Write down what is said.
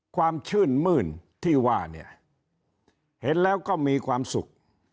ความชื่นมื้นที่ว่าเนี่ยเห็นแล้วก็มีความสุข